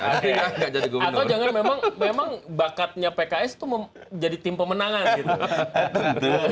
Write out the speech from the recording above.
atau jangan memang bakatnya pks itu jadi tim pemenangan gitu